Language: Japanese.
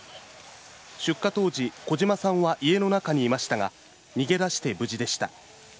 出火当時、児島さんは家の中にいましたが、逃げ出して無事でした。